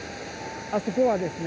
あそこはですね